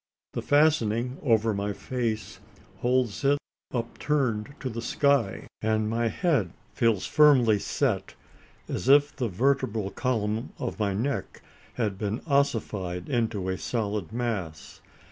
The fastening over my face holds it upturned to the sky; and my head feels firmly set as if the vertebral column of my neck had become ossified into a solid mass!